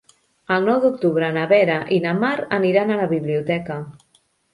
El nou d'octubre na Vera i na Mar aniran a la biblioteca.